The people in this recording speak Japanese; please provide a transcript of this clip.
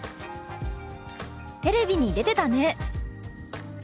「テレビに出てたね」。